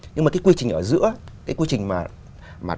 nhưng mà cái quy trình ở giữa cái quy trình mà